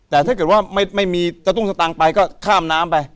แต่ถ้าเกิดว่าไม่มีสตุ้งสตางค์ไปก็ข้ามน้ำไป